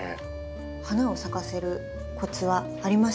花を咲かせるコツはありますか？